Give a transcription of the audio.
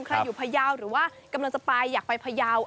ใครอยู่พยาวหรือว่ากำลังจะไปอยากไปพยาว